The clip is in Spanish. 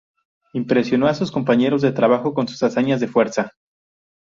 Impresionó a sus compañeros de trabajo con sus hazañas de fuerza.